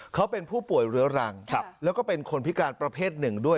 เขาเป็นผู้ป่วยเรื้อรังแล้วก็เป็นคนพิการประเภทหนึ่งด้วย